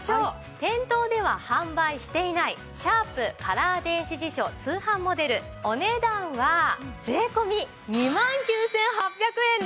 店頭では販売していないシャープカラー電子辞書通販モデルお値段は税込２万９８００円です！